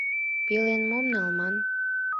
— Пелен мом налман?